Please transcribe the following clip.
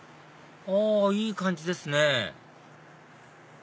あいい感じですね